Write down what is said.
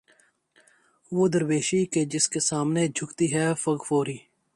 وہ درویشی کہ جس کے سامنے جھکتی ہے فغفوری